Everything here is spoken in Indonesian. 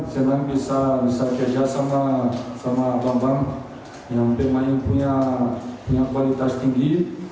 sekarang bisa bekerja sama bambang yang pemain punya kualitas tinggi